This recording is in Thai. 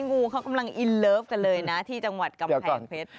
งูเขากำลังอินเลิฟกันเลยนะที่จังหวัดกำแพงเพชร